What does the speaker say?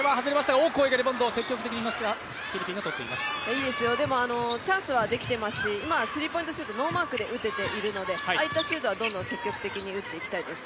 いいですよ、でも、チャンスはできていますし、今、スリーポイントシュート、ノーマークで打てているので、ああいったシュートはどんどん積極的に打っていきたいです。